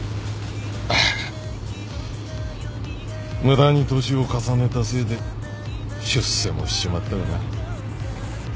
無駄に年を重ねたせいで出世もしちまったがな。